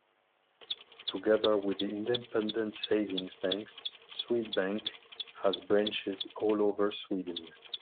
Together with the independent savings banks, Swedbank has branches all over Sweden.